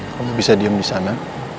kamu bisa diem disana